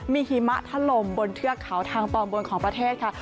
มีหิมะทะลมบนเทือกเขาทางตอนบนของประเทศค่ะ